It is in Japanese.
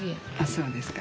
そうですか。